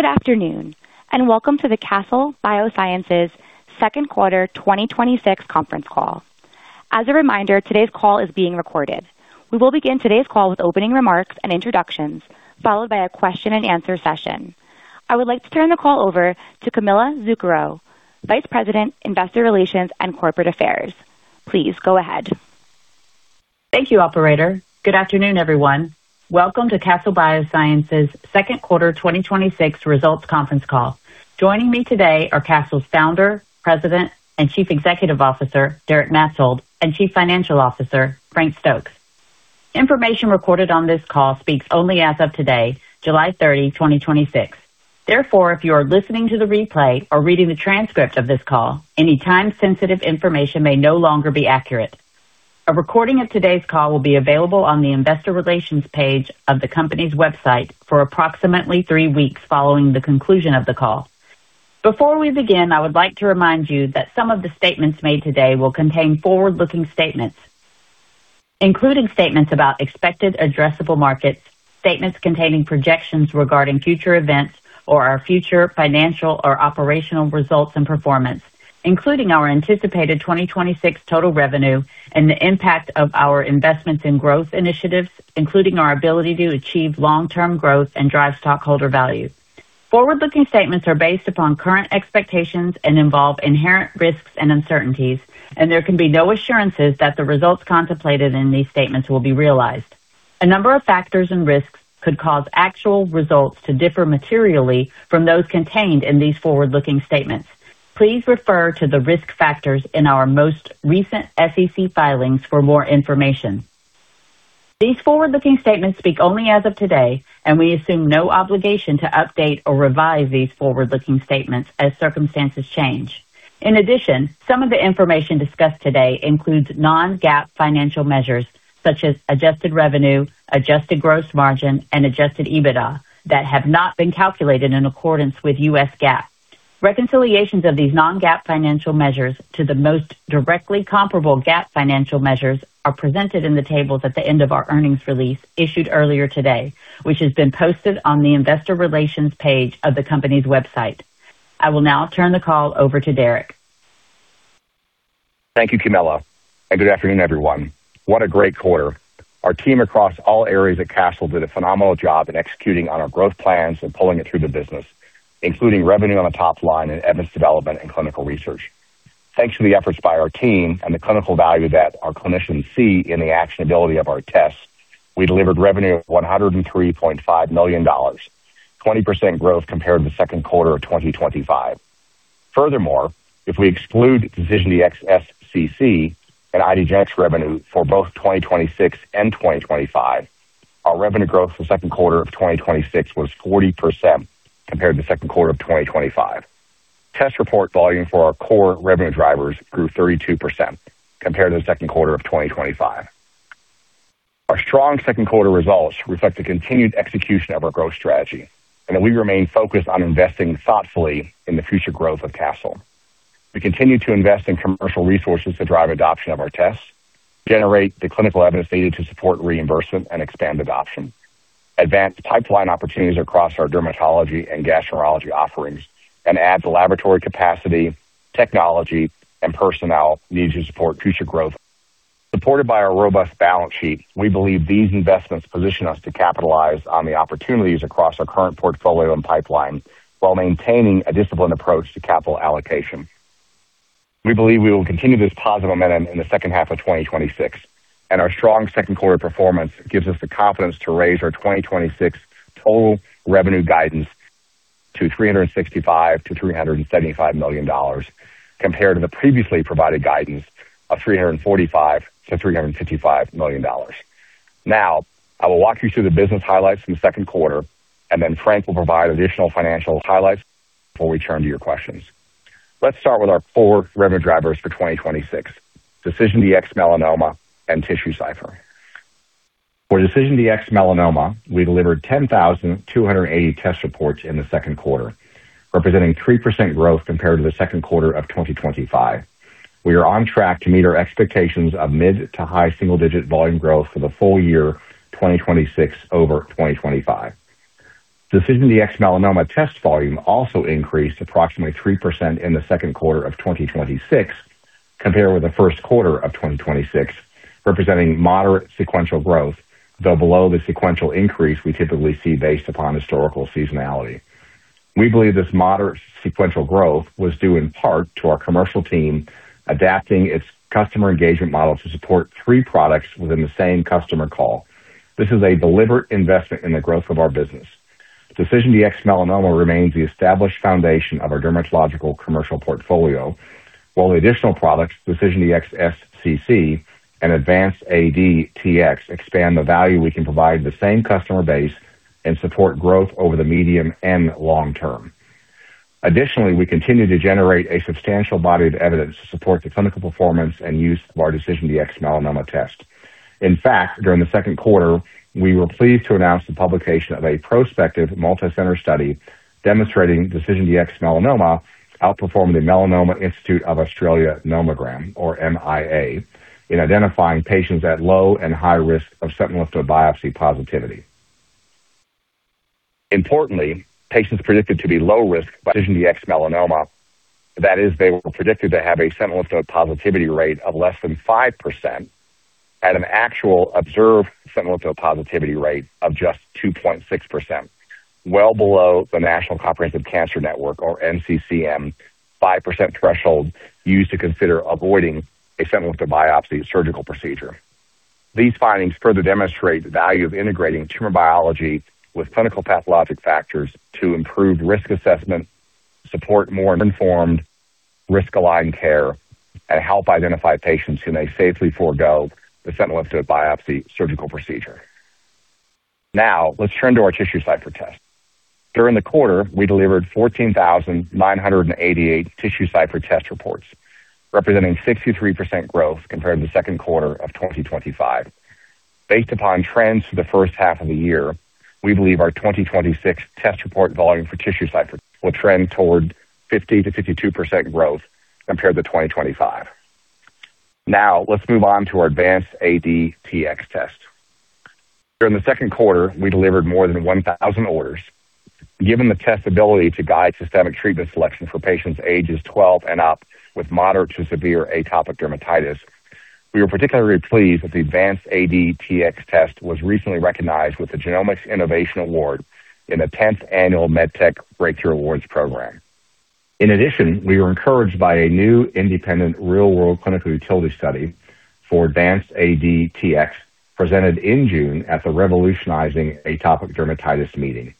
Good afternoon, welcome to the Castle Biosciences second quarter 2026 conference call. As a reminder, today's call is being recorded. We will begin today's call with opening remarks and introductions, followed by a question and answer session. I would like to turn the call over to Camilla Zuccaro, Vice President, Investor Relations and Corporate Affairs. Please go ahead. Thank you, operator. Good afternoon, everyone. Welcome to Castle Biosciences second quarter 2026 results conference call. Joining me today are Castle's Founder, President, and Chief Executive Officer, Derek Maetzold, and Chief Financial Officer, Frank Stokes. Information recorded on this call speaks only as of today, July 30, 2026. Therefore, if you are listening to the replay or reading the transcript of this call, any time-sensitive information may no longer be accurate. A recording of today's call will be available on the investor relations page of the company's website for approximately three weeks following the conclusion of the call. Before we begin, I would like to remind you that some of the statements made today will contain forward-looking statements, including statements about expected addressable markets, statements containing projections regarding future events or our future financial or operational results and performance, including our anticipated 2026 total revenue and the impact of our investments in growth initiatives, including our ability to achieve long-term growth and drive stockholder value. Forward-looking statements are based upon current expectations and involve inherent risks and uncertainties, and there can be no assurances that the results contemplated in these statements will be realized. A number of factors and risks could cause actual results to differ materially from those contained in these forward-looking statements. Please refer to the risk factors in our most recent SEC filings for more information. These forward-looking statements speak only as of today, and we assume no obligation to update or revise these forward-looking statements as circumstances change. In addition, some of the information discussed today includes non-GAAP financial measures such as adjusted revenue, adjusted gross margin, and adjusted EBITDA that have not been calculated in accordance with U.S. GAAP. Reconciliations of these non-GAAP financial measures to the most directly comparable GAAP financial measures are presented in the tables at the end of our earnings release issued earlier today, which has been posted on the investor relations page of the company's website. I will now turn the call over to Derek. Thank you, Camilla, and good afternoon, everyone. What a great quarter. Our team across all areas at Castle did a phenomenal job in executing on our growth plans and pulling it through the business, including revenue on the top line in evidence development and clinical research. Thanks to the efforts by our team and the clinical value that our clinicians see in the actionability of our tests, we delivered revenue of $103.5 million, 20% growth compared to the second quarter of 2025. Furthermore, if we exclude DecisionDx-SCC and IDgenetix revenue for both 2026 and 2025, our revenue growth for second quarter of 2026 was 40% compared to the second quarter of 2025. Test report volume for our core revenue drivers grew 32% compared to the second quarter of 2025. Our strong second quarter results reflect the continued execution of our growth strategy and that we remain focused on investing thoughtfully in the future growth of Castle. We continue to invest in commercial resources to drive adoption of our tests, generate the clinical evidence needed to support reimbursement and expand adoption, advance pipeline opportunities across our dermatology and gastroenterology offerings, and add the laboratory capacity, technology, and personnel needed to support future growth. Supported by our robust balance sheet, we believe these investments position us to capitalize on the opportunities across our current portfolio and pipeline while maintaining a disciplined approach to capital allocation. We believe we will continue this positive momentum in the second half of 2026 and our strong second quarter performance gives us the confidence to raise our 2026 total revenue guidance to $365 million-$375 million, compared to the previously provided guidance of $345 million-$355 million. I will walk you through the business highlights from the second quarter, and then Frank will provide additional financial highlights before we turn to your questions. Let's start with our four revenue drivers for 2026: DecisionDx-Melanoma and TissueCypher. For DecisionDx-Melanoma, we delivered 10,280 test reports in the second quarter, representing 3% growth compared to the second quarter of 2025. We are on track to meet our expectations of mid to high single-digit volume growth for the full year 2026 over 2025. DecisionDx-Melanoma test volume also increased approximately 3% in the second quarter of 2026 compared with the first quarter of 2026, representing moderate sequential growth, though below the sequential increase we typically see based upon historical seasonality. We believe this moderate sequential growth was due in part to our commercial team adapting its customer engagement model to support three products within the same customer call. This is a deliberate investment in the growth of our business. DecisionDx-Melanoma remains the established foundation of our dermatological commercial portfolio, while the additional products, DecisionDx-SCC and AdvanceAD-Tx, expand the value we can provide the same customer base and support growth over the medium and long term. Additionally, we continue to generate a substantial body of evidence to support the clinical performance and use of our DecisionDx-Melanoma test. In fact, during the second quarter, we were pleased to announce the publication of a prospective multicenter study demonstrating DecisionDx-Melanoma outperformed the Melanoma Institute Australia Nomogram or MIA in identifying patients at low and high risk of sentinel lymph node biopsy positivity. Importantly, patients predicted to be low risk by DecisionDx-Melanoma, that is, they were predicted to have a sentinel lymph node positivity rate of less than 5% had an actual observed sentinel lymph node positivity rate of just 2.6%, well below the National Comprehensive Cancer Network, or NCCN, 5% threshold used to consider avoiding a sentinel lymph node biopsy surgical procedure. These findings further demonstrate the value of integrating tumor biology with clinical pathologic factors to improve risk assessment, support more informed risk-aligned care, and help identify patients who may safely forego the sentinel lymph node biopsy surgical procedure. Now, let's turn to our TissueCypher test. During the quarter, we delivered 14,988 TissueCypher test reports, representing 63% growth compared to the second quarter of 2025. Based upon trends for the first half of the year, we believe our 2026 test report volume for TissueCypher will trend toward 50%-52% growth compared to 2025. Now, let's move on to our AdvanceAD-Tx test. During the second quarter, we delivered more than 1,000 orders. Given the test ability to guide systemic treatment selection for patients ages 12 and up with moderate to severe atopic dermatitis, we were particularly pleased that the AdvanceAD-Tx test was recently recognized with the Genomics Innovation Award in the 10th annual MedTech Breakthrough Awards program. In addition, we were encouraged by a new independent real-world clinical utility study for AdvanceAD-Tx presented in June at the Revolutionizing Atopic Dermatitis meeting.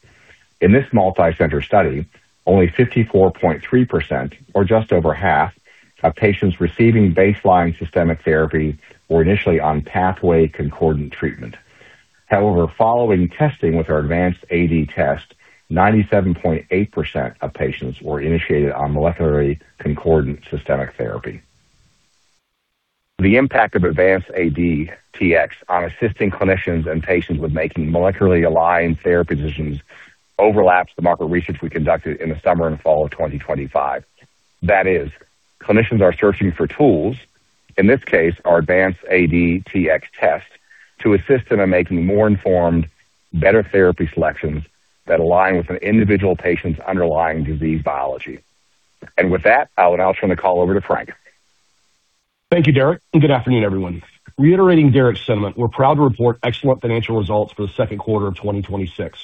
In this multi-center study, only 54.3%, or just over half, of patients receiving baseline systemic therapy were initially on pathway concordant treatment. However, following testing with our AdvanceAD-Tx test, 97.8% of patients were initiated on molecularly concordant systemic therapy. The impact of AdvanceAD-Tx on assisting clinicians and patients with making molecularly aligned therapy decisions overlaps the market research we conducted in the summer and fall of 2025. That is, clinicians are searching for tools, in this case, our AdvanceAD-Tx test, to assist them in making more informed, better therapy selections that align with an individual patient's underlying disease biology. With that, I would now turn the call over to Frank. Thank you, Derek, and good afternoon, everyone. Reiterating Derek's sentiment, we're proud to report excellent financial results for the second quarter of 2026.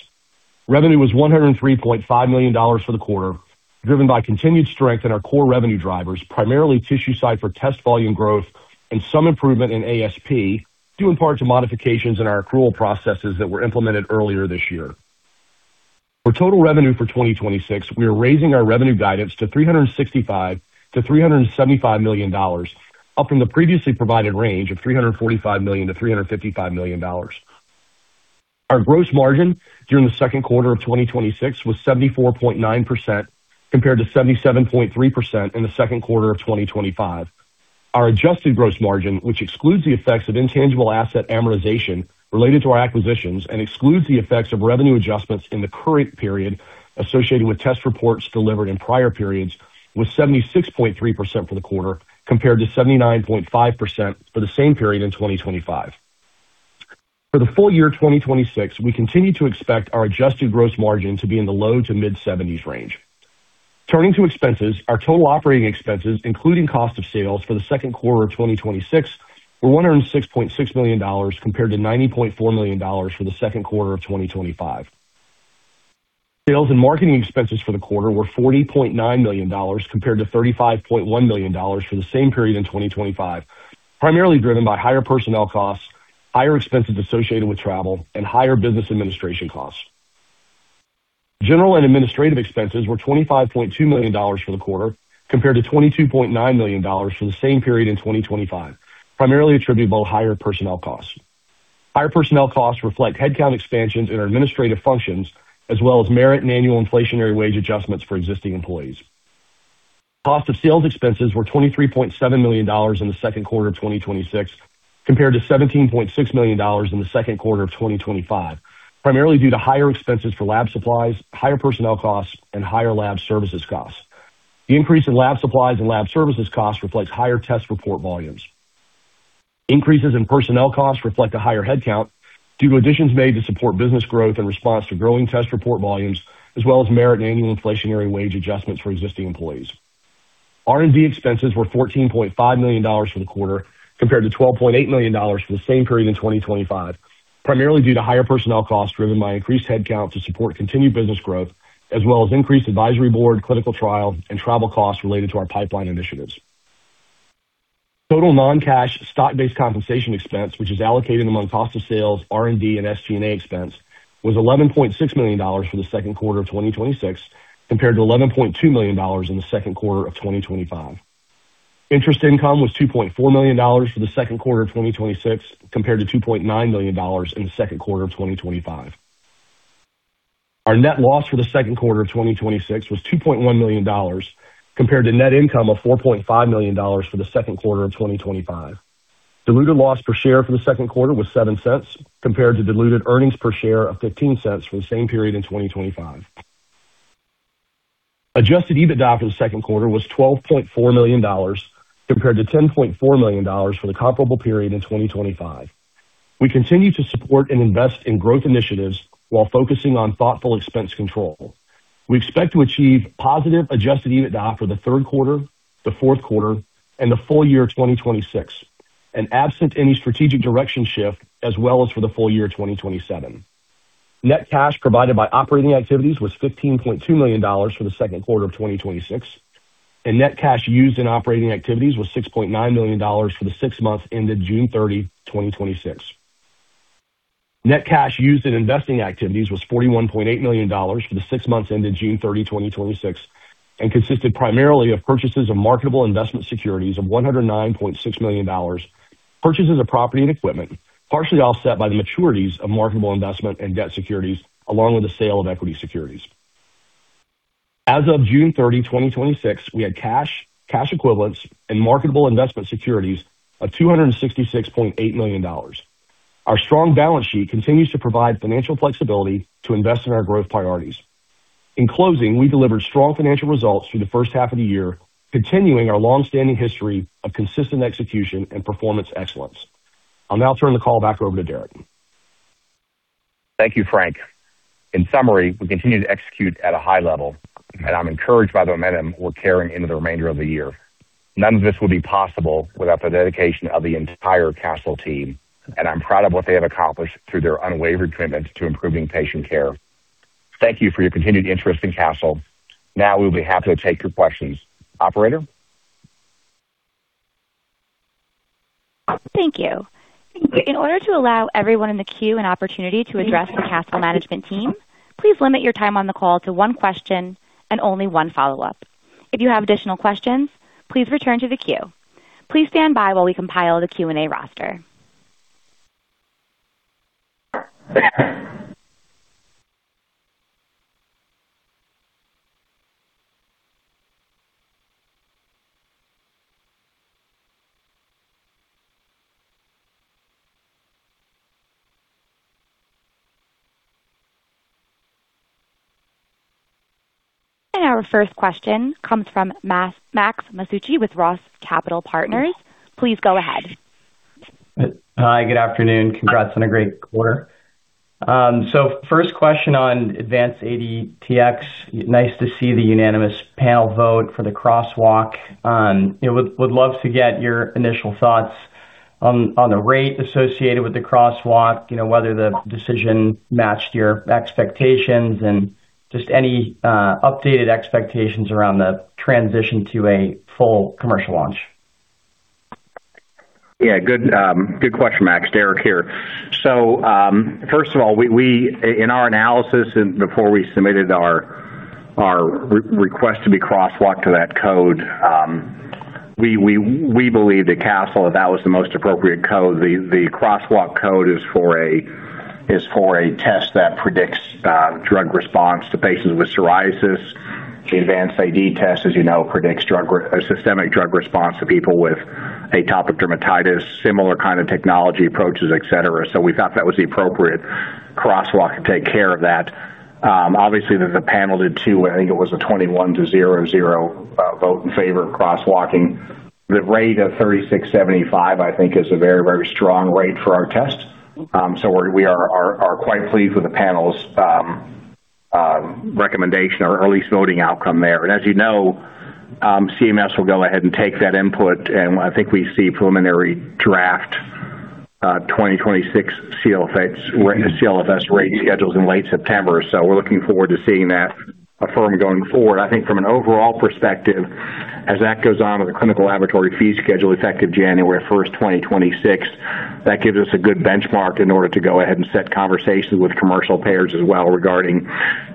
Revenue was $103.5 million for the quarter, driven by continued strength in our core revenue drivers, primarily TissueCypher test volume growth and some improvement in ASP, due in part to modifications in our accrual processes that were implemented earlier this year. For total revenue for 2026, we are raising our revenue guidance to $365 million-$375 million, up from the previously provided range of $345 million-$355 million. Our gross margin during the second quarter of 2026 was 74.9%, compared to 77.3% in the second quarter of 2025. Our adjusted gross margin, which excludes the effects of intangible asset amortization related to our acquisitions and excludes the effects of revenue adjustments in the current period associated with test reports delivered in prior periods, was 76.3% for the quarter, compared to 79.5% for the same period in 2025. For the full year 2026, we continue to expect our adjusted gross margin to be in the low to mid-70s range. Turning to expenses, our total operating expenses, including cost of sales for the second quarter of 2026, were $106.6 million, compared to $90.4 million for the second quarter of 2025. Sales and marketing expenses for the quarter were $40.9 million, compared to $35.1 million for the same period in 2025, primarily driven by higher personnel costs, higher expenses associated with travel, and higher business administration costs. General and administrative expenses were $25.2 million for the quarter, compared to $22.9 million for the same period in 2025, primarily attributable to higher personnel costs. Higher personnel costs reflect headcount expansions in our administrative functions, as well as merit and annual inflationary wage adjustments for existing employees. Cost of sales expenses were $23.7 million in the second quarter of 2026, compared to $17.6 million in the second quarter of 2025, primarily due to higher expenses for lab supplies, higher personnel costs, and higher lab services costs. The increase in lab supplies and lab services costs reflects higher test report volumes. Increases in personnel costs reflect a higher headcount due to additions made to support business growth in response to growing test report volumes, as well as merit and annual inflationary wage adjustments for existing employees. R&D expenses were $14.5 million for the quarter, compared to $12.8 million for the same period in 2025, primarily due to higher personnel costs driven by increased headcount to support continued business growth, as well as increased advisory board, clinical trial, and travel costs related to our pipeline initiatives. Total non-cash stock-based compensation expense, which is allocated among cost of sales, R&D, and SG&A expense, was $11.6 million for the second quarter of 2026, compared to $11.2 million in the second quarter of 2025. Interest income was $2.4 million for the second quarter of 2026, compared to $2.9 million in the second quarter of 2025. Our net loss for the second quarter of 2026 was $2.1 million, compared to net income of $4.5 million for the second quarter of 2025. Diluted loss per share for the second quarter was $0.07, compared to diluted earnings per share of $0.15 for the same period in 2025. Adjusted EBITDA for the second quarter was $12.4 million, compared to $10.4 million for the comparable period in 2025. We continue to support and invest in growth initiatives while focusing on thoughtful expense control. We expect to achieve positive adjusted EBITDA for the third quarter, the fourth quarter, and the full year 2026, and absent any strategic direction shift, as well as for the full year 2027. Net cash provided by operating activities was $15.2 million for the second quarter of 2026, and net cash used in operating activities was $6.9 million for the six months ended June 30, 2026. Net cash used in investing activities was $41.8 million for the six months ended June 30, 2026 and consisted primarily of purchases of marketable investment securities of $109.6 million, purchases of property and equipment, partially offset by the maturities of marketable investment and debt securities, along with the sale of equity securities. As of June 30, 2026, we had cash equivalents, and marketable investment securities of $266.8 million. Our strong balance sheet continues to provide financial flexibility to invest in our growth priorities. In closing, we delivered strong financial results through the first half of the year, continuing our long-standing history of consistent execution and performance excellence. I'll now turn the call back over to Derek. Thank you, Frank. In summary, we continue to execute at a high level, and I'm encouraged by the momentum we're carrying into the remainder of the year. None of this would be possible without the dedication of the entire Castle team, and I'm proud of what they have accomplished through their unwavering commitment to improving patient care. Thank you for your continued interest in Castle. We'll be happy to take your questions. Operator? Thank you. In order to allow everyone in the queue an opportunity to address the Castle management team, please limit your time on the call to one question and only one follow-up. If you have additional questions, please return to the queue. Please stand by while we compile the Q&A roster. Our first question comes from Max Masucci with Roth Capital Partners. Please go ahead. Hi, good afternoon. Congrats on a great quarter. First question on AdvanceAD-Tx. Nice to see the unanimous panel vote for the crosswalk. Would love to get your initial thoughts on the rate associated with the crosswalk, whether the decision matched your expectations, and just any updated expectations around the transition to a full commercial launch. Yeah. Good question, Max. Derek here. First of all, in our analysis and before we submitted our request to be crosswalked to that code, we believed at Castle Biosciences that was the most appropriate code. The crosswalk code is for a test that predicts drug response to patients with psoriasis. The AdvanceAD-Tx test, as you know, predicts systemic drug response to people with atopic dermatitis, similar kind of technology approaches, et cetera. We thought that was the appropriate crosswalk to take care of that. Obviously, the panel did too. I think it was a 21 to zero vote in favor of crosswalking. The rate of $36.75, I think is a very, very strong rate for our test. We are quite pleased with the panel's recommendation or at least voting outcome there. As you know, CMS will go ahead and take that input, and I think we see preliminary draft 2026 CLFS rate schedules in late September. We're looking forward to seeing that affirm going forward. I think from an overall perspective, as that goes on with the clinical laboratory fee schedule effective January 1st, 2026, that gives us a good benchmark in order to go ahead and set conversations with commercial payers as well regarding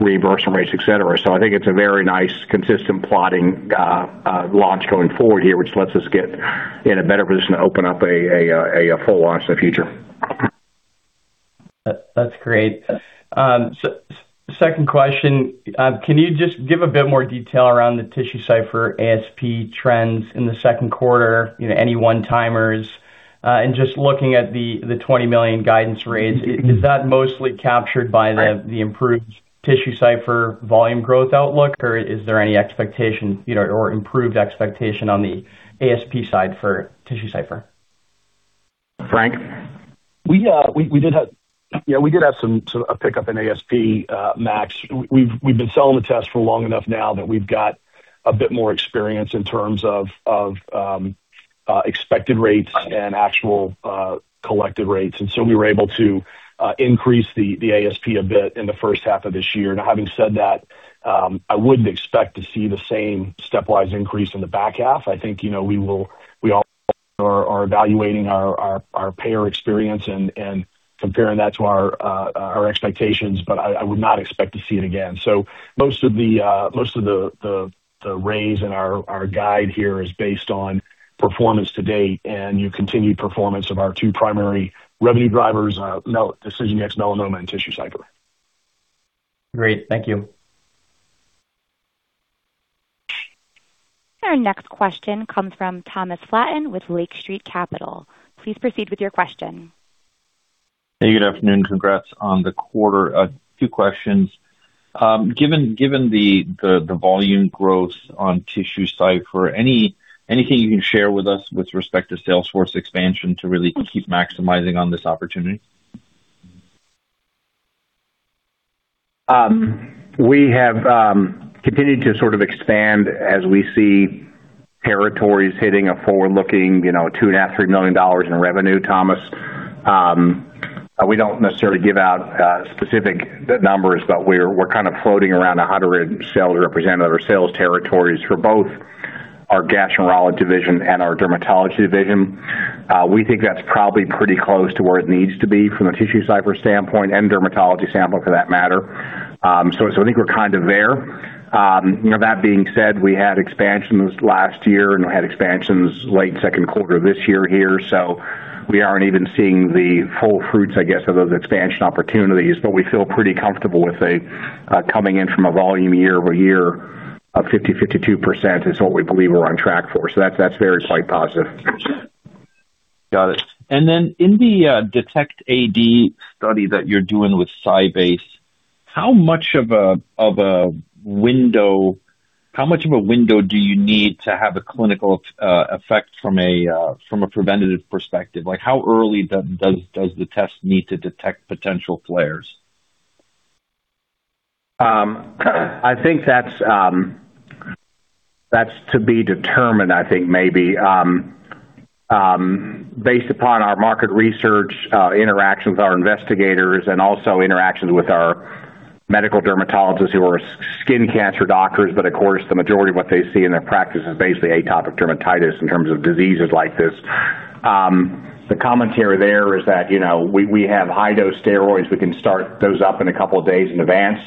reimbursement rates, et cetera. I think it's a very nice, consistent plotting launch going forward here, which lets us get in a better position to open up a full launch in the future. That's great. Second question. Can you just give a bit more detail around the TissueCypher ASP trends in the second quarter? Any one-timers? Just looking at the $20 million guidance raise, is that mostly captured by the improved TissueCypher volume growth outlook, or is there any expectation or improved expectation on the ASP side for TissueCypher? Frank? Yeah, we did have some pickup in ASP, Max. We've been selling the test for long enough now that we've got a bit more experience in terms of expected rates and actual collected rates, and so we were able to increase the ASP a bit in the first half of this year. Now, having said that, I wouldn't expect to see the same stepwise increase in the back half. I think we are evaluating our payer experience and comparing that to our expectations, but I would not expect to see it again. Most of the raise in our guide here is based on performance to date and continued performance of our two primary revenue drivers, DecisionDx-Melanoma and TissueCypher. Great. Thank you. Our next question comes from Thomas Flaten with Lake Street Capital. Please proceed with your question. Hey, good afternoon. Congrats on the quarter. Two questions. Given the volume growth on TissueCypher, anything you can share with us with respect to sales force expansion to really keep maximizing on this opportunity? We have continued to sort of expand as we see territories hitting a forward-looking $2.5 million, $3 million in revenue, Thomas. We don't necessarily give out specific numbers, but we're kind of floating around 100 sales representative or sales territories for both our gastroenterology division and our dermatology division. We think that's probably pretty close to where it needs to be from a TissueCypher standpoint and dermatology sample for that matter. I think we're kind of there. That being said, we had expansions last year, and we had expansions late second quarter this year here, so we aren't even seeing the full fruits, I guess, of those expansion opportunities. But we feel pretty comfortable with coming in from a volume year-over-year of 50%, 52% is what we believe we're on track for. That's very quite positive. Got it. In the DETECT-AD study that you're doing with SciBase, how much of a window do you need to have a clinical effect from a preventative perspective? How early does the test need to detect potential flares? I think that's to be determined. Based upon our market research, interactions with our investigators and also interactions with our medical dermatologists who are skin cancer doctors, but of course, the majority of what they see in their practice is basically atopic dermatitis in terms of diseases like this. The commentary there is that we have high-dose steroids. We can start those up in a couple of days in advance.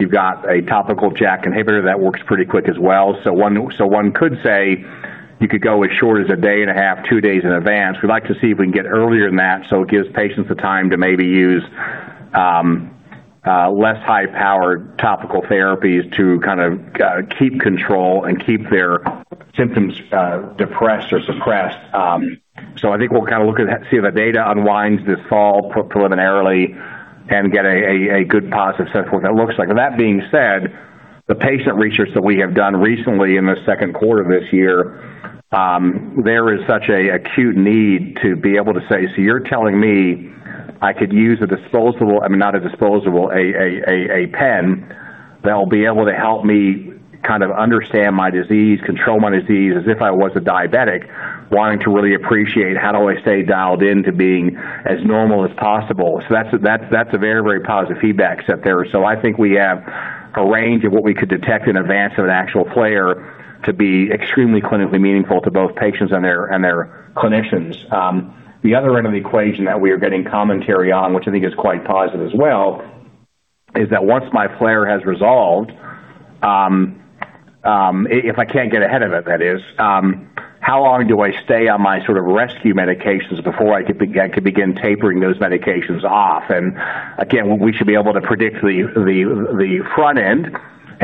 You've got a topical JAK inhibitor that works pretty quick as well. One could say you could go as short as a day and a half, two days in advance. We'd like to see if we can get earlier than that, so it gives patients the time to maybe use less high-powered topical therapies to kind of keep control and keep their symptoms depressed or suppressed. I think we'll kind of look at that, see if the data unwinds this fall preliminarily and get a good, positive sense what that looks like. That being said, the patient research that we have done recently in the second quarter of this year, there is such an acute need to be able to say, "You're telling me I could use a pen that'll be able to help me kind of understand my disease, control my disease, as if I was a diabetic, wanting to really appreciate how do I stay dialed in to being as normal as possible?" That's a very, very positive feedback set there. I think we have a range of what we could detect in advance of an actual flare to be extremely clinically meaningful to both patients and their clinicians. The other end of the equation that we are getting commentary on, which I think is quite positive as well, is that once my flare has resolved, if I can't get ahead of it, that is, how long do I stay on my sort of rescue medications before I could begin tapering those medications off? Again, we should be able to predict the front end,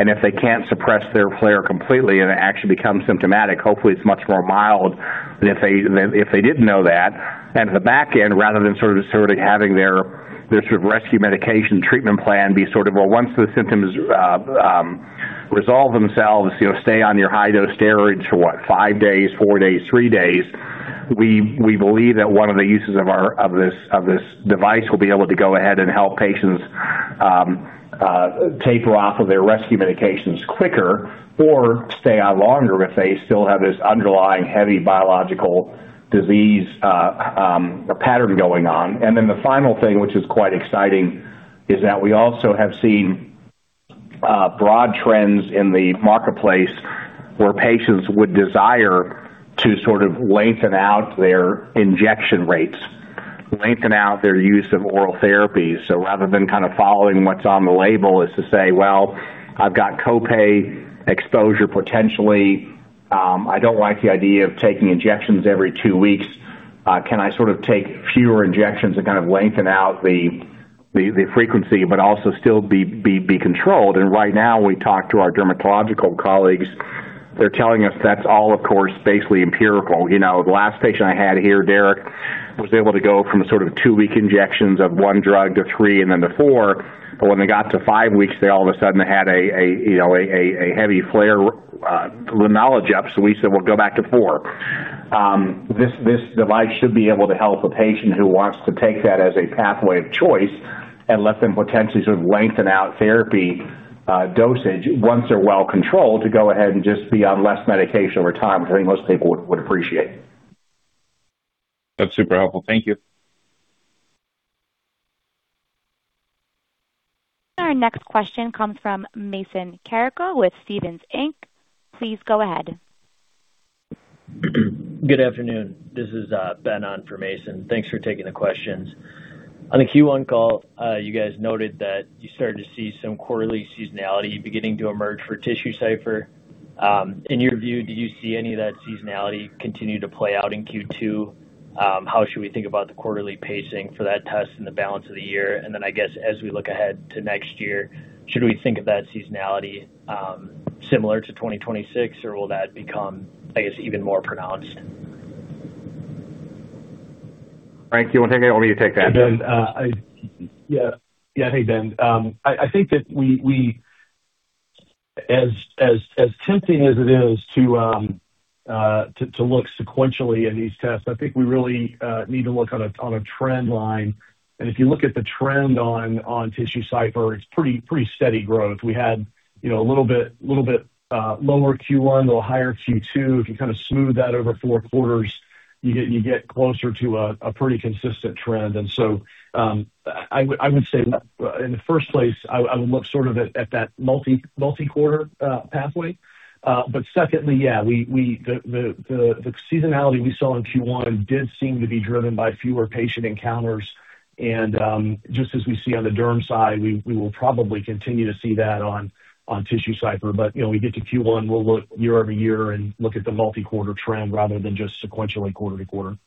if they can't suppress their flare completely and it actually becomes symptomatic, hopefully it's much more mild than if they didn't know that. At the back end, rather than sort of having their sort of rescue medication treatment plan be sort of, well, once the symptoms resolve themselves, stay on your high-dose steroids for what? Five days, four days, three days. We believe that one of the uses of this device will be able to go ahead and help patients taper off of their rescue medications quicker or stay on longer if they still have this underlying heavy biological disease pattern going on. The final thing, which is quite exciting, is that we also have seen broad trends in the marketplace where patients would desire to sort of lengthen out their injection rates, lengthen out their use of oral therapies. Rather than kind of following what's on the label as to say, "Well, I've got copay exposure, potentially. I don't like the idea of taking injections every two weeks. Can I sort of take fewer injections and kind of lengthen out the frequency but also still be controlled?" Right now, we talk to our dermatological colleagues, they're telling us that's all, of course, basically empirical. The last patient I had here, [Derek], was able to go from sort of two-week injections of one drug to three and then to four. When they got to five weeks, they all of a sudden had a heavy flare liminality up, we said, "Well, go back to four." This device should be able to help a patient who wants to take that as a pathway of choice and let them potentially sort of lengthen out therapy dosage once they're well controlled to go ahead and just be on less medication over time, which I think most people would appreciate. That's super helpful. Thank you. Our next question comes from Mason Carrico with Stephens Inc. Please go ahead. Good afternoon. This is Ben on for Mason. Thanks for taking the questions. On the Q1 call, you guys noted that you started to see some quarterly seasonality beginning to emerge for TissueCypher. In your view, do you see any of that seasonality continue to play out in Q2? How should we think about the quarterly pacing for that test and the balance of the year? I guess as we look ahead to next year, should we think of that seasonality similar to 2026, or will that become, I guess, even more pronounced? Frank, you want to take it, or me take that? Yeah. Hey, Ben. I think that as tempting as it is to look sequentially at these tests, I think we really need to look on a trend line. If you look at the trend on TissueCypher, it's pretty steady growth. We had a little bit lower Q1, little higher Q2. If you smooth that over four quarters, you get closer to a pretty consistent trend. I would say in the first place, I would look sort of at that multi-quarter pathway. Secondly, yeah, the seasonality we saw in Q1 did seem to be driven by fewer patient encounters. Just as we see on the derm side, we will probably continue to see that on TissueCypher. We get to Q1, we'll look year-over-year and look at the multi-quarter trend rather than just sequentially quarter-to-quarter.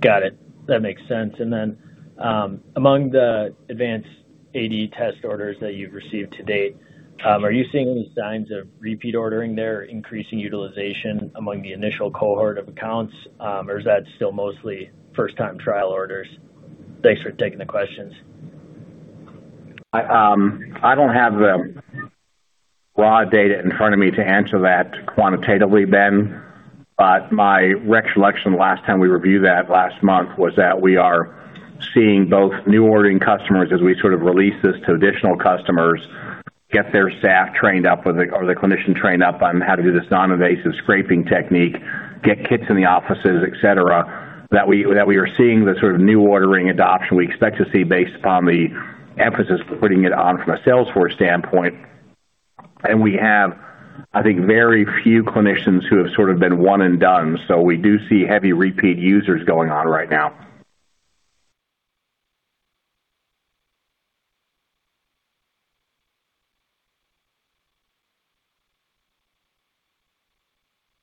Got it. That makes sense. Among the AdvancedAD test orders that you've received to date, are you seeing any signs of repeat ordering there or increasing utilization among the initial cohort of accounts? Or is that still mostly first-time trial orders? Thanks for taking the questions. I don't have the raw data in front of me to answer that quantitatively, Ben. My recollection the last time we reviewed that last month was that we are seeing both new ordering customers as we sort of release this to additional customers, get their staff trained up or the clinician trained up on how to do this non-invasive scraping technique, get kits in the offices, et cetera, that we are seeing the sort of new ordering adoption we expect to see based upon the emphasis we're putting it on from a sales force standpoint. We have, I think, very few clinicians who have sort of been one and done. We do see heavy repeat users going on right now.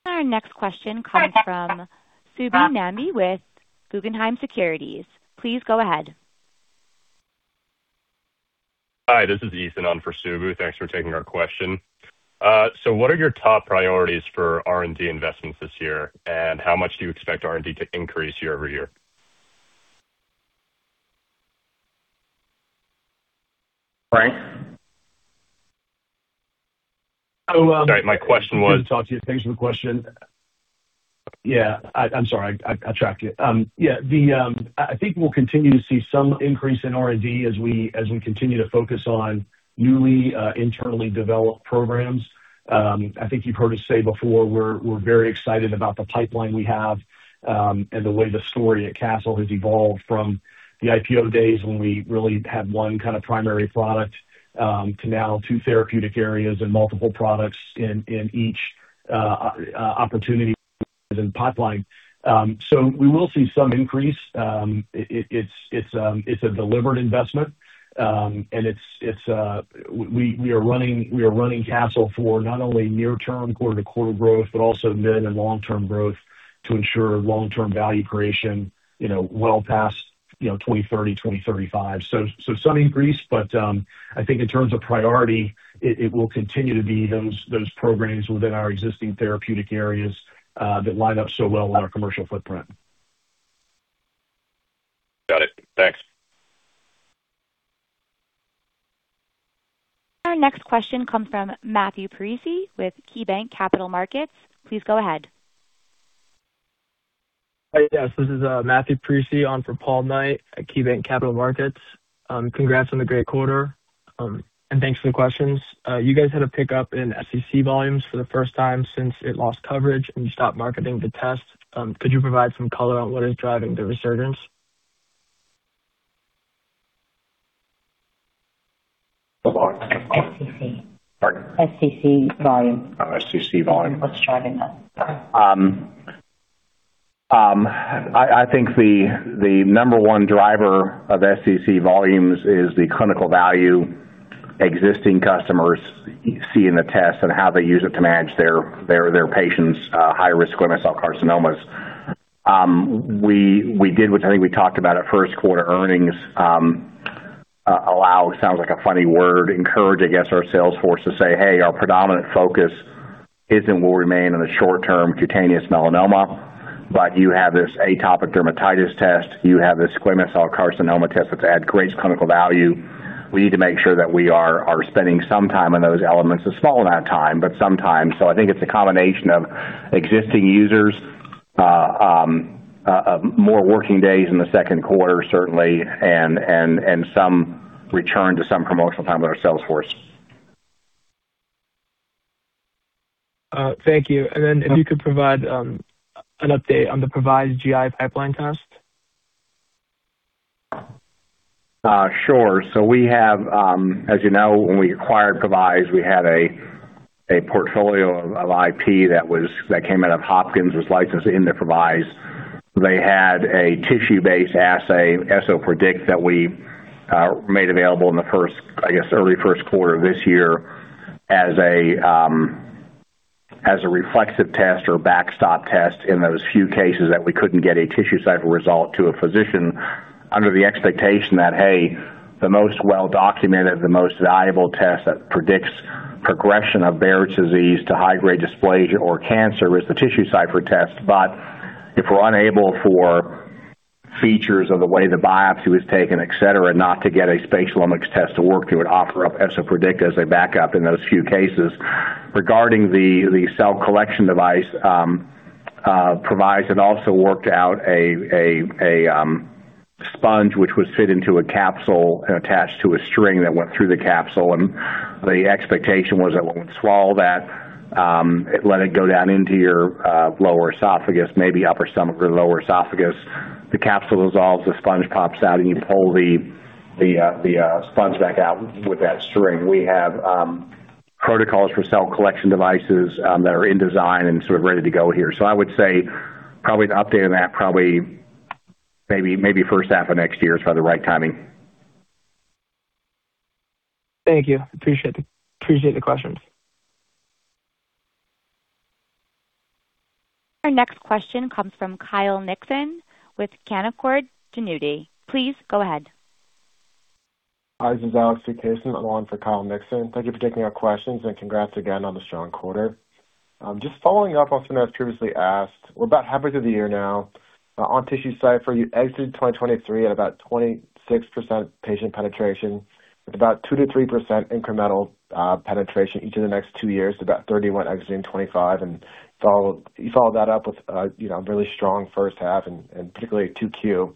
Our next question comes from Subbu Nambi with Guggenheim Securities. Please go ahead. Hi, this is Ethan on for Subbu. Thanks for taking our question. What are your top priorities for R&D investments this year, and how much do you expect R&D to increase year-over-year? Frank? Sorry, my question was. Good to talk to you. Thanks for the question. Yeah. I'm sorry I tracked you. Yeah, I think we'll continue to see some increase in R&D as we continue to focus on newly internally developed programs. I think you've heard us say before, we're very excited about the pipeline we have, and the way the story at Castle has evolved from the IPO days when we really had one kind of primary product, to now two therapeutic areas and multiple products in each opportunity within the pipeline. We will see some increase. It's a deliberate investment, and we are running Castle for not only near term quarter-to-quarter growth, but also mid and long-term growth to ensure long-term value creation well past 2030, 2035. Some increase, I think in terms of priority, it will continue to be those programs within our existing therapeutic areas that line up so well with our commercial footprint. Got it. Thanks. Our next question comes from Matthew Parisi with KeyBanc Capital Markets. Please go ahead. This is Matthew Parisi on for Paul Knight at KeyBanc Capital Markets. Congrats on the great quarter, thanks for the questions. You guys had a pickup in SCC volumes for the first time since it lost coverage and you stopped marketing the test. Could you provide some color on what is driving the resurgence? The what? SCC. Pardon? SCC volume. Oh, SCC volume. What's driving that? Sorry. I think the number one driver of SCC volumes is the clinical value existing customers see in the test and how they use it to manage their patients' high-risk squamous cell carcinomas. We did, which I think we talked about at first quarter earnings, allow, sounds like a funny word, encourage, I guess, our sales force to say, "Hey, our predominant focus is and will remain on the short term cutaneous melanoma, but you have this atopic dermatitis test. You have this squamous cell carcinoma test that creates clinical value." We need to make sure that we are spending some time on those elements. A small amount of time, but some time. I think it's a combination of existing users, more working days in the second quarter certainly, and some return to some promotional time with our sales force. Thank you. If you could provide an update on the Previse GI pipeline test. Sure. We have, as you know, when we acquired Previse, we had a portfolio of IP that came out of Hopkins was licensed into Previse. They had a tissue-based assay, Esopredict, that we made available in the first, I guess, early first quarter of this year as a reflexive test or backstop test in those few cases that we couldn't get a TissueCypher result to a physician. Under the expectation that, hey, the most well-documented, the most valuable test that predicts progression of Barrett's disease to high-grade dysplasia or cancer is the TissueCypher test. But if we're unable for features of the way the biopsy was taken, et cetera, not to get a spatialomics test to work, we would offer up Esopredict as a backup in those few cases. Regarding the cell collection device, Previse had also worked out a sponge which would fit into a capsule and attach to a string that went through the capsule. The expectation was that one would swallow that, it let it go down into your lower esophagus, maybe upper stomach or lower esophagus. The capsule dissolves, the sponge pops out, you pull the sponge back out with that string. We have protocols for cell collection devices that are in design and sort of ready to go here. I would say probably the update of that, probably maybe first half of next year is probably the right timing. Thank you. Appreciate the questions. Our next question comes from Kyle Nixon with Canaccord Genuity. Please go ahead. Hi, this is Alex Vukasin. I am on for Kyle Nixon. Thank you for taking our questions and congrats again on the strong quarter. Just following up on something I have previously asked. We are about halfway through the year now. On TissueCypher, you exited 2023 at about 26% patient penetration with about 2%-3% incremental penetration each of the next two years to about 31 exiting 2025, and you followed that up with a really strong first half and particularly 2Q.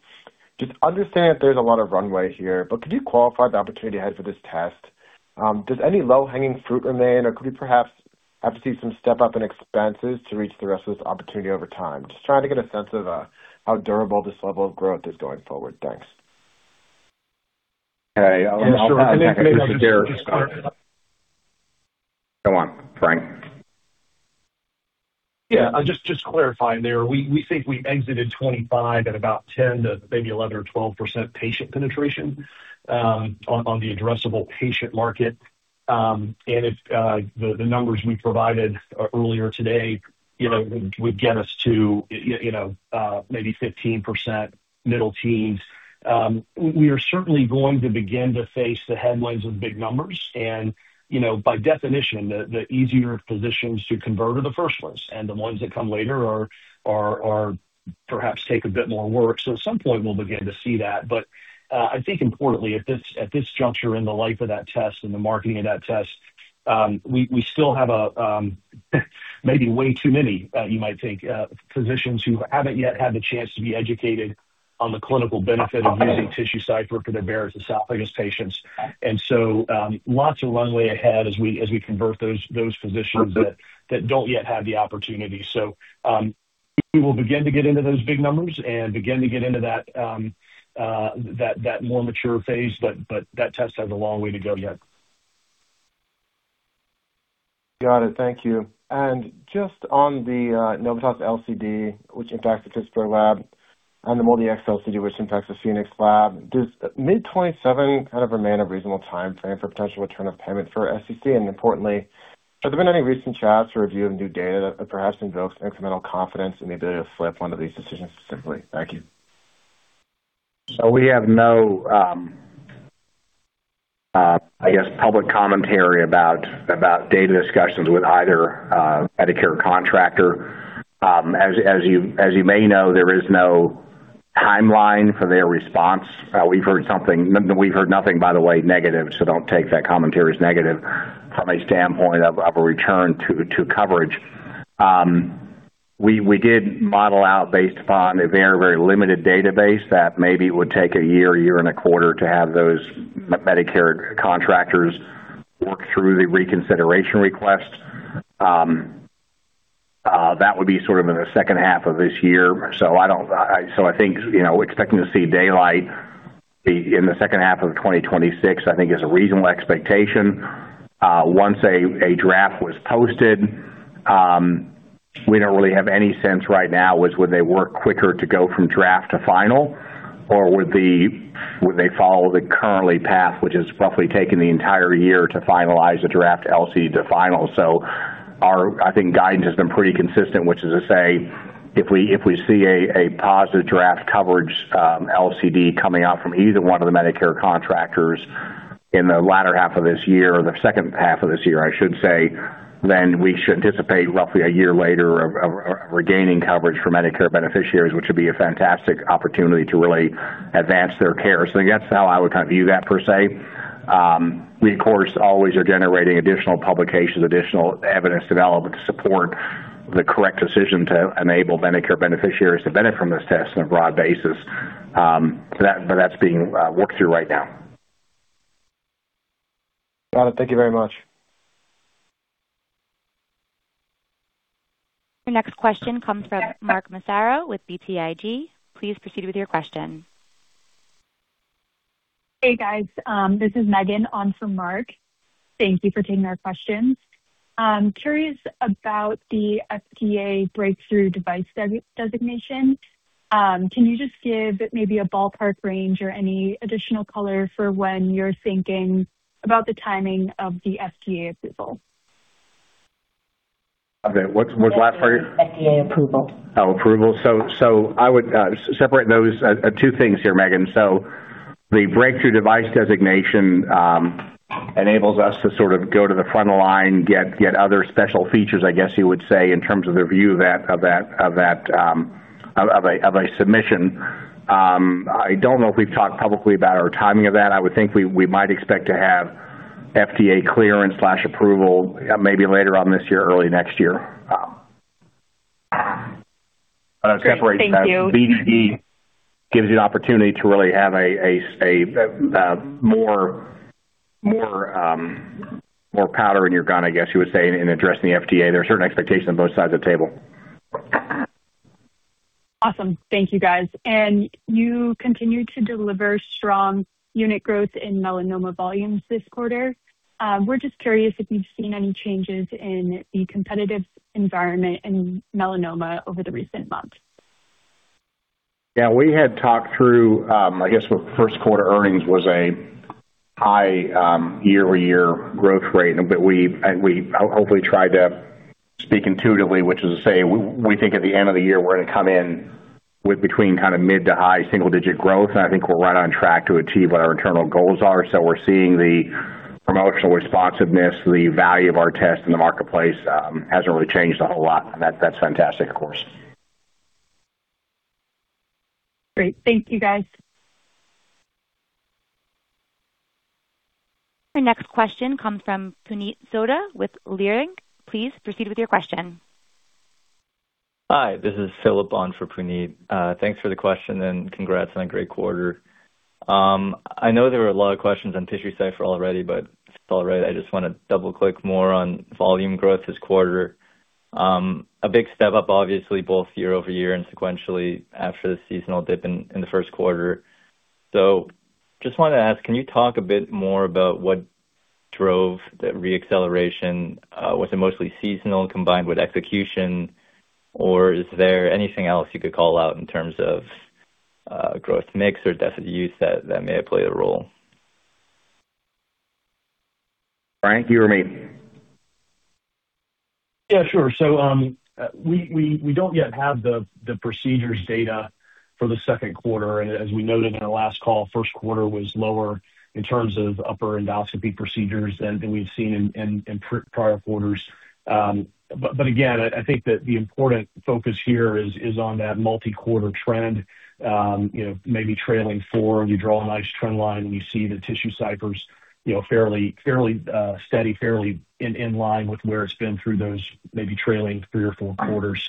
Just understand there is a lot of runway here, but could you qualify the opportunity ahead for this test? Does any low-hanging fruit remain, or could we perhaps have to see some step up in expenses to reach the rest of this opportunity over time? Just trying to get a sense of how durable this level of growth is going forward. Thanks. Okay. I'll hand it back to or Scott. Go on, Frank. Yeah, just clarifying there. We think we exited 2025 at about 10% to maybe 11% or 12% patient penetration on the addressable patient market. The numbers we provided earlier today would get us to maybe 15%, middle teens. We are certainly going to begin to face the headwinds of big numbers and by definition, the easier physicians to convert are the first ones, and the ones that come later perhaps take a bit more work. At some point we'll begin to see that. I think importantly, at this juncture in the life of that test and the marketing of that test, we still have maybe way too many, you might think, physicians who haven't yet had the chance to be educated on the clinical benefit of using TissueCypher for their Barrett's esophagus patients. Lots of runway ahead as we convert those physicians that don't yet have the opportunity. We will begin to get into those big numbers and begin to get into that more mature phase, that test has a long way to go yet. Got it. Thank you. Just on the Novitas LCD, which impacts the Pittsburgh lab and the MolDX LCD, which impacts the Phoenix lab. Does mid 2027 kind of remain a reasonable timeframe for potential return of payment for SCC? Importantly, have there been any recent chats or review of new data that perhaps invokes incremental confidence in the ability to flip one of these decisions specifically? Thank you. We have no, I guess, public commentary about data discussions with either Medicare contractor. As you may know, there is no timeline for their response. We've heard nothing, by the way, negative, so don't take that commentary as negative from a standpoint of a return to coverage. We did model out based upon a very limited database that maybe it would take a year and a quarter to have those Medicare contractors work through the reconsideration request. That would be sort of in the second half of this year. I think expecting to see daylight in the second half of 2026 is a reasonable expectation. Once a draft was posted, we don't really have any sense right now would they work quicker to go from draft to final or would they follow the current path, which has roughly taken the entire year to finalize a draft LCD to final. Our, I think, guidance has been pretty consistent, which is to say, if we see a positive draft coverage LCD coming out from either one of the Medicare contractors in the latter half of this year, or the second half of this year, I should say, then we should anticipate roughly a year later of regaining coverage for Medicare beneficiaries, which would be a fantastic opportunity to really advance their care. That's how I would kind of view that per se. We of course always are generating additional publications, additional evidence development to support the correct decision to enable Medicare beneficiaries to benefit from this test on a broad basis. That's being worked through right now. Got it. Thank you very much. Your next question comes from Mark Massaro with BTIG. Please proceed with your question. Hey, guys. This is Meaghan on for Mark. Thank you for taking our questions. I'm curious about the FDA Breakthrough Device Designation. Can you just give maybe a ballpark range or any additional color for when you're thinking about the timing of the FDA approval? Okay, what's the last part? FDA approval. Oh, approval. I would separate those two things here, Meaghan. The breakthrough device designation enables us to sort of go to the front of the line, get other special features, I guess you would say, in terms of the review of a submission. I don't know if we've talked publicly about our timing of that. I would think we might expect to have FDA clearance/approval maybe later on this year, early next year. Great. Thank you. I would separate that. BDD gives you an opportunity to really have more powder in your gun, I guess you would say, in addressing the FDA. There are certain expectations on both sides of the table. Awesome. Thank you, guys. You continued to deliver strong unit growth in melanoma volumes this quarter. We're just curious if you've seen any changes in the competitive environment in melanoma over the recent months. We had talked through, I guess, first quarter earnings was a high year-over-year growth rate, and we hopefully tried to speak intuitively, which is to say, we think at the end of the year, we're going to come in with between kind of mid to high single-digit growth, and I think we're right on track to achieve what our internal goals are. We're seeing the promotional responsiveness, the value of our test in the marketplace, hasn't really changed a whole lot. That's fantastic, of course. Great. Thank you, guys. Our next question comes from Puneet Souda with Leerink. Please proceed with your question. Hi, this is Philip on for Puneet. Thanks for the question and congrats on a great quarter. I know there were a lot of questions on TissueCypher already, but if it's all right, I just want to double-click more on volume growth this quarter. A big step-up, obviously, both year-over-year and sequentially after the seasonal dip in the first quarter. Just wanted to ask, can you talk a bit more about what drove the re-acceleration? Was it mostly seasonal combined with execution, or is there anything else you could call out in terms of growth mix or depth of use that may have played a role? Frank, you or me? Yeah, sure. We don't yet have the procedures data for the second quarter. As we noted in our last call, first quarter was lower in terms of upper endoscopy procedures than we've seen in prior quarters. Again, I think that the important focus here is on that multi-quarter trend. Maybe trailing four, you draw a nice trend line and you see the TissueCypher fairly steady, fairly in line with where it's been through those maybe trailing three or four quarters.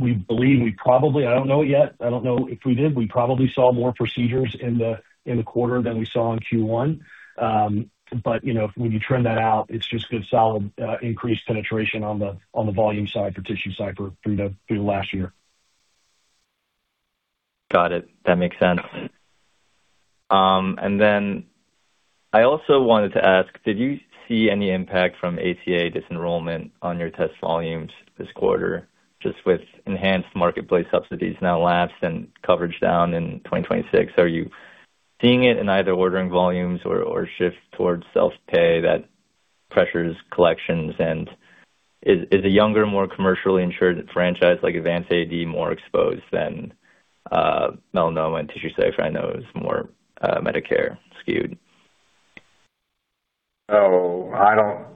We believe we probably, I don't know it yet, I don't know if we did, we probably saw more procedures in the quarter than we saw in Q1. When you trend that out, it's just good, solid increased penetration on the volume side for TissueCypher through last year. Got it. That makes sense. I also wanted to ask, did you see any impact from ACA disenrollment on your test volumes this quarter? Just with enhanced marketplace subsidies now lapsed and coverage down in 2026, are you seeing it in either ordering volumes or shift towards self-pay that pressures collections? Is a younger, more commercially insured franchise like AdvanceAD more exposed than melanoma and TissueCypher? I know it was more Medicare skewed. I don't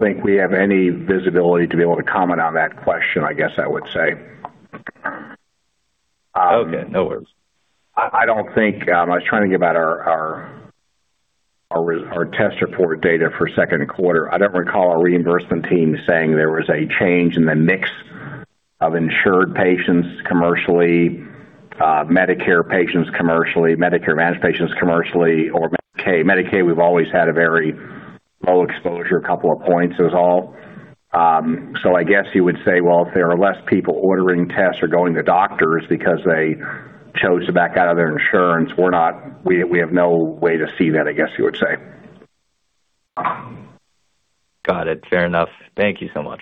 think we have any visibility to be able to comment on that question, I guess I would say. Okay, no worries. I was trying to get about our test report data for second quarter. I don't recall our reimbursement team saying there was a change in the mix of insured patients commercially, Medicare patients commercially, Medicare managed patients commercially, or Medicaid. Medicaid, we've always had a very low exposure, a couple of points is all. I guess you would say, well, if there are less people ordering tests or going to doctors because they chose to back out of their insurance, we have no way to see that, I guess you would say. Got it. Fair enough. Thank you so much.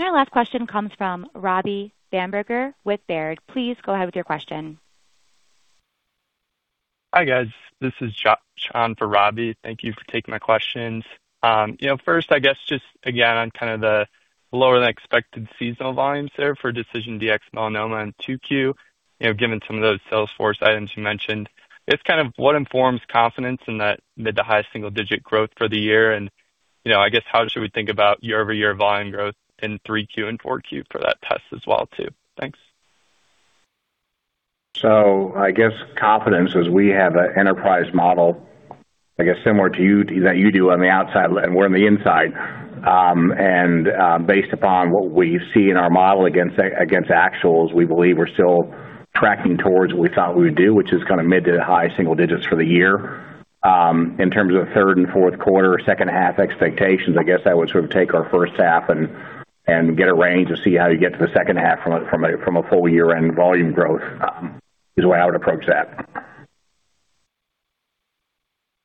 Our last question comes from Robbie Bamberger with Baird. Please go ahead with your question. Hi, guys. This is John for Robbie. Thank you for taking my questions. First, I guess just again on kind of the lower than expected seasonal volumes there for DecisionDx-Melanoma in 2Q, given some of those sales force items you mentioned, I guess kind of what informs confidence in that mid to high single-digit growth for the year and I guess how should we think about year-over-year volume growth in 3Q and 4Q for that test as well too? Thanks. I guess confidence is we have an enterprise model, I guess similar to you, that you do on the outside and we're on the inside. Based upon what we see in our model against actuals, we believe we're still tracking towards what we thought we would do, which is kind of mid to high single-digits for the year. In terms of third and fourth quarter, second half expectations, I guess I would sort of take our first half and get a range and see how you get to the second half from a full year-end volume growth, is the way I would approach that.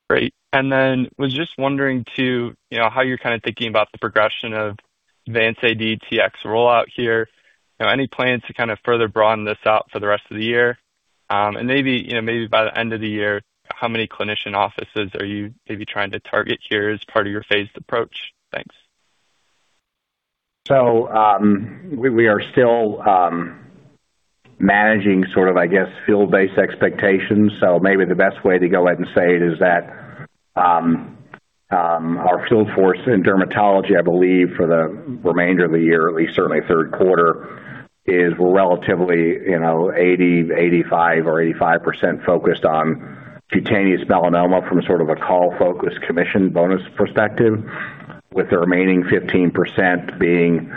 Great. Was just wondering, too, how you're kind of thinking about the progression of AdvanceAD-Tx rollout here. Any plans to kind of further broaden this out for the rest of the year? Maybe by the end of the year, how many clinician offices are you maybe trying to target here as part of your phased approach? Thanks. We are still managing field-based expectations. Maybe the best way to go ahead and say it is that our field force in dermatology, I believe for the remainder of the year, at least certainly third quarter, is relatively 80%-85% focused on cutaneous melanoma from a call focus commission bonus perspective, with the remaining 15% being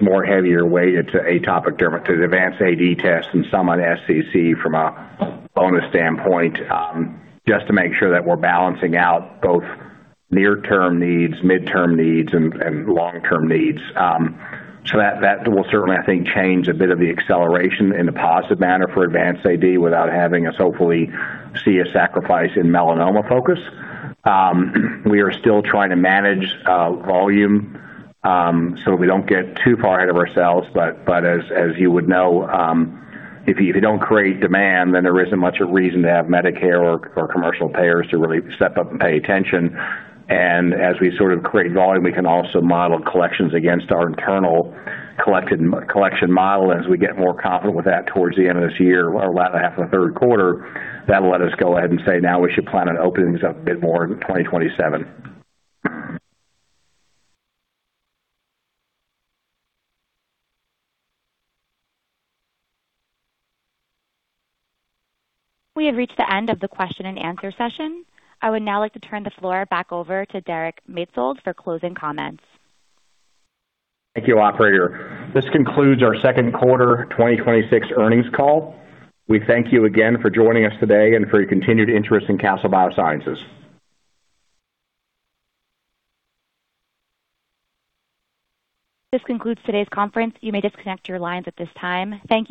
more heavier weighted to atopic dermatitis, AdvancedAD tests, and some on SCC from a bonus standpoint, just to make sure that we're balancing out both near-term needs, mid-term needs, and long-term needs. That will certainly, I think, change a bit of the acceleration in a positive manner for AdvancedAD without having us hopefully see a sacrifice in melanoma focus. We are still trying to manage volume so we don't get too far ahead of ourselves. As you would know, if you don't create demand, then there isn't much of a reason to have Medicare or commercial payers to really step up and pay attention. As we create volume, we can also model collections against our internal collection model as we get more confident with that towards the end of this year or latter half of the third quarter. That'll let us go ahead and say, now we should plan on openings up a bit more in 2027. We have reached the end of the question and answer session. I would now like to turn the floor back over to Derek Maetzold for closing comments. Thank you, operator. This concludes our second quarter 2026 earnings call. We thank you again for joining us today and for your continued interest in Castle Biosciences. This concludes today's conference. You may disconnect your lines at this time. Thank you.